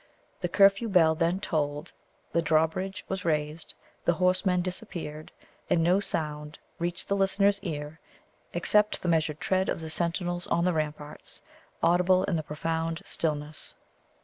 The curfew bell then tolled, the drawbridge was raised, the horsemen disappeared, and no sound reached the listener's ear except the measured tread of the sentinels on the ramparts, audible in the profound stillness.